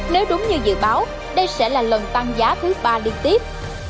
nếu đúng như dự báo đây sẽ là lần tăng giá thứ ba liên tiếp